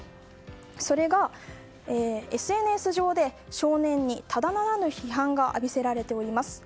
それが、ＳＮＳ上で少年にただならぬ非難が浴びせられております。